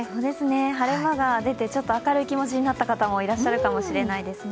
晴れ間が出て、ちょっと明るい気持ちになった方もいるかもしれないですね。